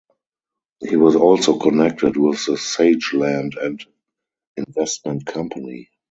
He was also connected with the Sage Land and Investment Company.